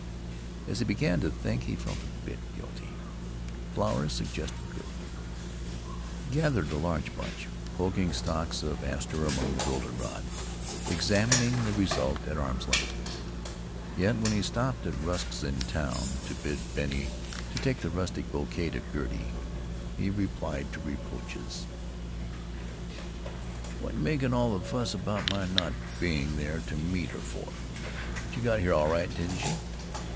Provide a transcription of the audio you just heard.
As he began to think he felt a bit guilty. The flowers suggested Gertie. He gathered a large bunch, poking stalks of aster among the goldenrod, examining the result at arm's length. Yet when he stopped at the Rusks' in town, to bid Bennie take the rustic bouquet to Gertie, he replied to reproaches: "What you making all the fuss about my not being there to meet her for? She got here all right, didn't she?